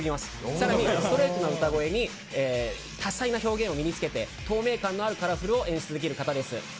さらにストレートな歌声に多彩な表現を身に着けて透明感のあるカラフルを演出できる方です。